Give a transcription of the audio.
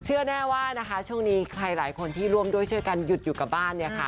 เชื่อแน่ว่านะคะช่วงนี้ใครหลายคนที่ร่วมด้วยช่วยกันหยุดอยู่กับบ้านเนี่ยค่ะ